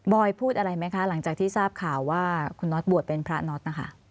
อยพูดอะไรไหมคะหลังจากที่ทราบข่าวว่าคุณน็อตบวชเป็นพระน็อตนะคะ